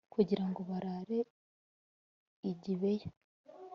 kugira ngo barare i gibeya